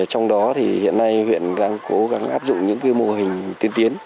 trong đó thì hiện nay huyện đang cố gắng áp dụng những mô hình tiên tiến